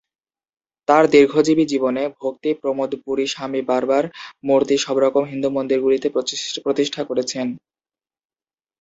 তার দীর্ঘজীবী জীবনে, ভক্তি প্রমোদ পুরী স্বামী বার বার মুর্তি সবরকম হিন্দু মন্দিরগুলিতে প্রতিষ্ঠা করেছেন।